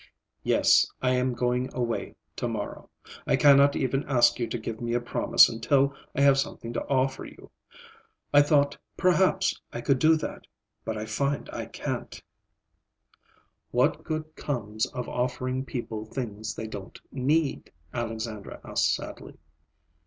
Yes, I am going away; to morrow. I cannot even ask you to give me a promise until I have something to offer you. I thought, perhaps, I could do that; but I find I can't." "What good comes of offering people things they don't need?" Alexandra asked sadly.